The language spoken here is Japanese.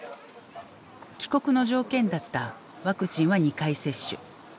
帰国の条件だったワクチンは２回接種。